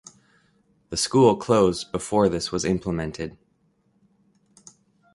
The school closed before this was implemented.